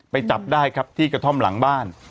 จับได้ครับที่กระท่อมหลังบ้าน